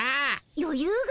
よゆうが？